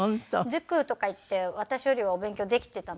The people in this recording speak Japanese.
塾とか行って私よりはお勉強できてたので。